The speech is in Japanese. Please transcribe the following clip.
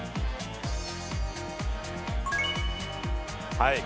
はい。